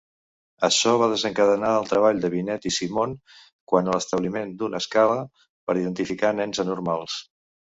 Açò va desencadenar el treball de Binet i Simon quant a l'establiment d'una escala per identificar nens anormals.